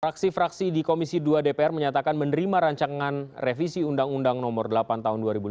fraksi fraksi di komisi dua dpr menyatakan menerima rancangan revisi undang undang nomor delapan tahun dua ribu lima belas